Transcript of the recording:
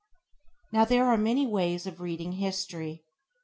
Now there are many ways of reading history.